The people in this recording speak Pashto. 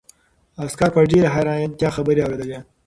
عسکر په ډېرې حیرانتیا خبرې اورېدلې.